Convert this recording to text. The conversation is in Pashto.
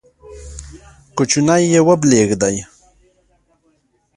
کوچنی یې وبلېږدی،